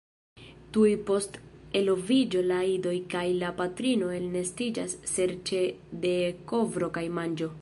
Tuj post eloviĝo la idoj kaj la patrino elnestiĝas serĉe de kovro kaj manĝo.